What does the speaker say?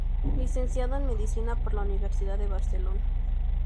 Licenciado en Medicina por la Universidad de Barcelona.